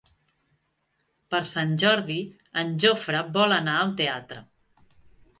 Per Sant Jordi en Jofre vol anar al teatre.